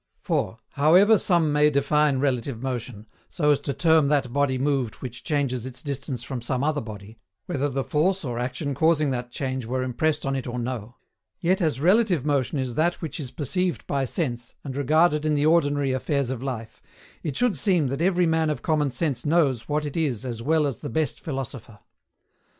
For, however some may define relative motion, so as to term that body moved which changes its distance from some other body, whether the force or action causing that change were impressed on it or no, yet as relative motion is that which is perceived by sense, and regarded in the ordinary affairs of life, it should seem that every man of common sense knows what it is as well as the best philosopher.